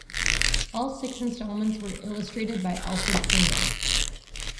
All six instalments were illustrated by Alfred Sindall.